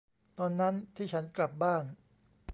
ตอนนั้นที่ฉันกลับบ้าน